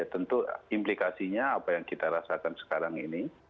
tentu implikasinya apa yang kita rasakan sekarang ini